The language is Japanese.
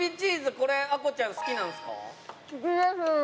これあこちゃん好きなんですか？